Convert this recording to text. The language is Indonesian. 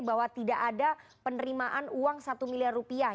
bahwa tidak ada penerimaan uang satu miliar rupiah